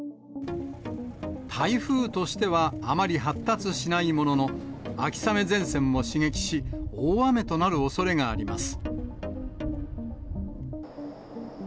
台風としてはあまり発達しないものの、秋雨前線を刺激し、大雨となるおそれがあります。